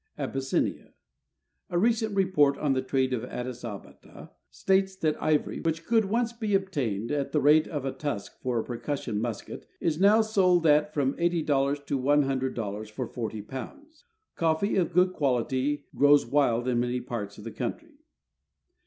Abyssinia. A recent report on the trade of Adis Abbata states that ivory, which could once be obtained at the rate of a tusk for a pei'cus sion musket, is now sold at from $80 to $100 for 40 pounds. Coffee of good quality grows wild in many parts of the country.